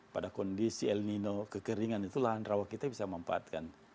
pada kondisi el nino kekeringan itu lahan rawa kita bisa memanfaatkan